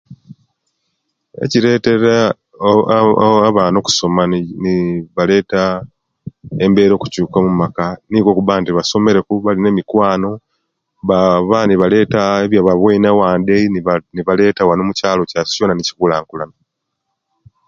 Ekiretere aah abana okusoma ni ni nibaleta embera okukyuka mumaka nikwo okuban nti basomereku bafuna emikwano baba nebaleta ebyebaweine owandi nebaleta wano mukyaalo kyaisu kyona nekikulankulana